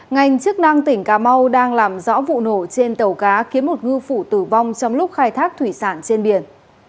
ngành chức năng tỉnh cà mau đang làm rõ vụ nổ trên tàu cá khiến một ngư phủ tử vong trong lúc khai thác thủy sản trên biển